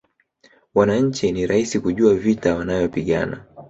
Wananchi ni rahisi kujua vita wanayopigana